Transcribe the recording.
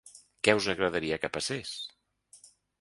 Què us agradaria que passés?